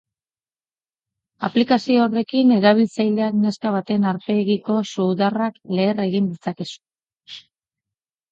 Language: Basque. Aplikazio horrekin erabiltzaileak neska baten arpegiko suldarrak leher egin ditzakezu.